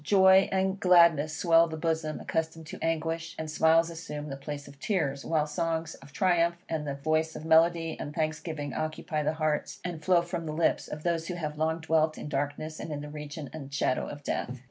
Joy and gladness swell the bosom accustomed to anguish, and smiles assume the place of tears, while songs of triumph, and the voice of melody and thanksgiving occupy the hearts, and flow from the lips, of those who have long dwelt in darkness, and in the region and shadow of death.